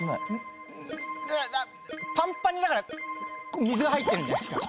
パンパンにだから水が入ってるんじゃないですか？